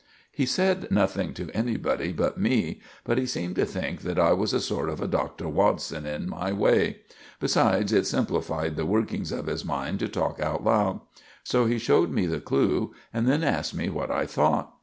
He said nothing to anybody but me; but he seemed to think that I was a sort of a Dr. Watson in my way; besides, it simplified the workings of his mind to talk out loud; so he showed me the clue and then asked me what I thought.